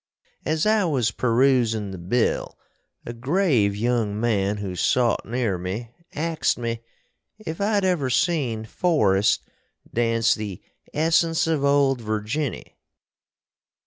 As I was peroosin the bill a grave young man who sot near me axed me if I'd ever seen Forrest dance the Essence of Old Virginny.